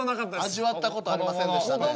味わったことありませんでしたね。